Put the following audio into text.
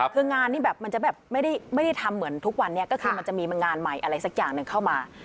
คืองานนี้แบบมันจะแบบไม่ได้ทำเหมือนทุกวันนี้ก็คือมันจะมีงานใหม่อะไรสักอย่างหนึ่งเข้ามา